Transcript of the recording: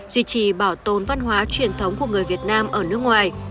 duy trì bảo tồn văn hóa truyền thống của người việt nam ở nước ngoài